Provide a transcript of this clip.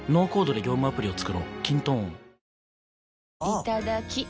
いただきっ！